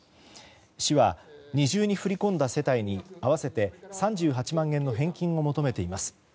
市は二重に振り込んだ世帯に合わせて３８万円の返金を求めています。